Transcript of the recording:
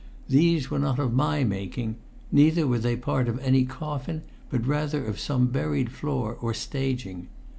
These were not of my making; neither were they part of any coffin, but rather of some buried floor or staging.